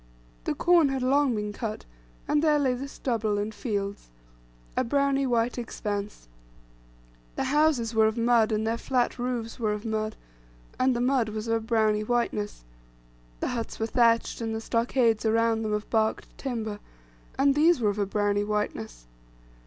The corn had long been cut, and there lay the stubble, and fields, a browny white expanse; the houses were of mud, and their fiat roofs were of mud, and the mud was of a browny whiteness; the huts were thatched, and the stockades around them of barked timber, and these were of a browny whiteness.